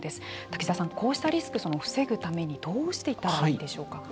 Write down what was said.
滝沢さん、こうしたリスク防ぐためにどうしていったらいいでしょうか。